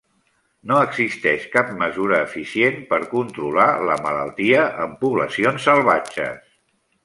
No existeix cap mesura eficient per controlar la malaltia en poblacions salvatges.